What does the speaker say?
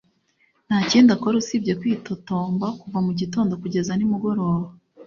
Nta kindi akora usibye kwitotomba kuva mu gitondo kugeza nimugoroba.